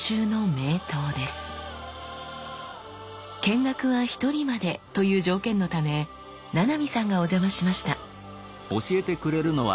見学は一人までという条件のため七海さんがお邪魔しました。